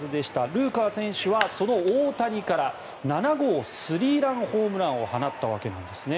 ルーカー選手はその大谷から７号スリーランホームランを放ったわけなんです。